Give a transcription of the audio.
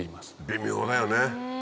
微妙だよね。